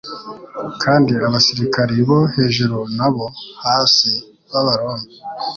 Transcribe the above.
kandi abasirikari bo hejuru n'abo hasi b'abaroma